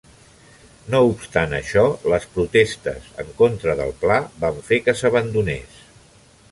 No obstant això, les protestes en contra del pla van fer que s'abandonés.